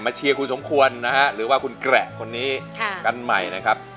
เชียร์คุณสมควรนะฮะหรือว่าคุณแกระคนนี้กันใหม่นะครับ